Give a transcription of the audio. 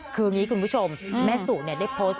คือนน่ะคุณผู้ชมแม่สุเนี่ยได้โพสต์